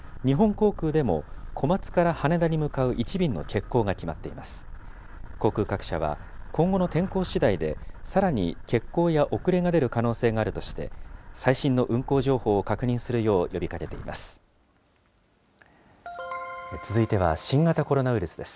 航空各社は今後の天候しだいで、さらに欠航や遅れが出る可能性があるとして、最新の運航情報を確認するよう呼びかけています。